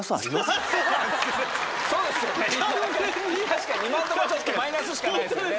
確かに今のとこマイナスしかないですよね。